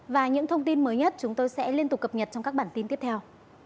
và những thông tin mới nhất chúng tôi sẽ liên tục cập nhật trong các bản tin tiếp theo